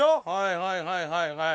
はいはいはいはい。